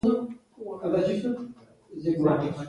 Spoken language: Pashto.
هغه د وژلو تکل یې ځکه کړی وو.